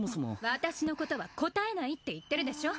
・私のことは答えないって言ってるでしょ！